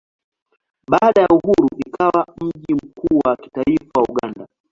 Baada ya uhuru ikawa mji mkuu wa kitaifa wa Uganda.